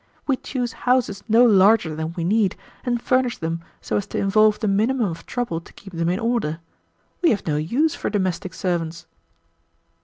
We choose houses no larger than we need, and furnish them so as to involve the minimum of trouble to keep them in order. We have no use for domestic servants."